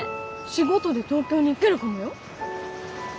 仕事で東京に行けるかもよ。